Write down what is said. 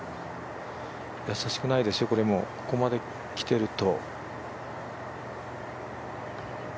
易しくないですよ、これもここまできてると。